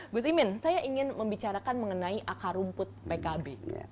gus imin saya ingin membicarakan mengenai akar rumput pkb